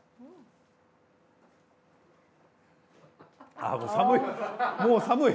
あもう寒い！